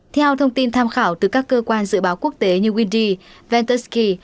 theo thông tin tham khảo từ các cơ quan dự báo quốc tế như windy veltuski